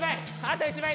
あと１枚！